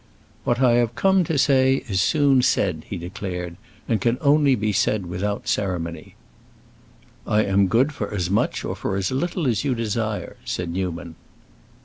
"What I have come to say is soon said," he declared "and can only be said without ceremony." "I am good for as much or for as little as you desire," said Newman.